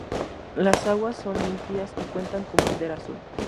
Las aguas son limpias y cuentan con Bandera Azul.